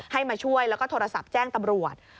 มาช่วยแล้วก็โทรศัพท์แจ้งตำรวจ